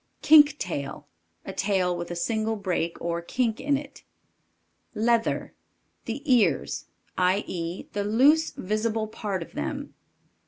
Kink tail. A tail with a single break or kink in it. Leather. The ears i. e., the loose visible part of them.